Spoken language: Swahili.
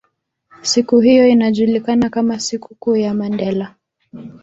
Siku hiyo inajulikana kama siku kuu ya Mandela